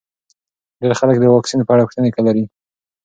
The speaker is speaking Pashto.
ډېر خلک د واکسین په اړه پوښتنې لري.